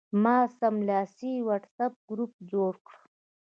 ما سملاسي د وټساپ ګروپ جوړ کړ.